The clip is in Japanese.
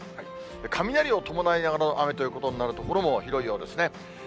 雷を伴いながらの雨ということになる所も広いようですね。